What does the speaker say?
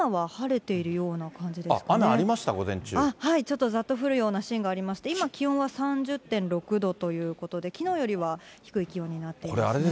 ちょっとざっと降るようなシーンがありまして、今、気温は３０．６度ということで、きのうよりは低い気温になっていますね。